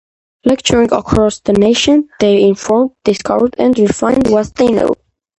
Lecturing across the nation, they informed, discovered, and refined what they knew.